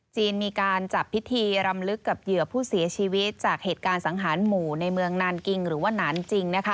จีนมีการจัดพิธีรำลึกกับเหยื่อผู้เสียชีวิตจากเหตุการณ์สังหารหมู่ในเมืองนานกิงหรือว่านานจริง